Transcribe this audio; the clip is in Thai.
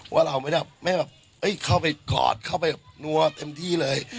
ว่าเราไม่ได้แบบเข้าไปกอดเข้าไปนัวเต็มที่เลย